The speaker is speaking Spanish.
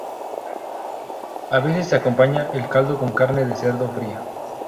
A veces se acompaña el caldo con carne de cerdo fría.